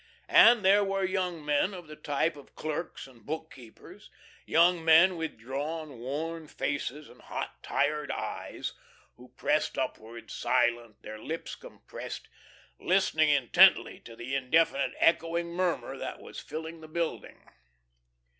And there were young men of the type of clerks and bookkeepers, young men with drawn, worn faces, and hot, tired eyes, who pressed upward, silent, their lips compressed, listening intently to the indefinite echoing murmur that was filling the building.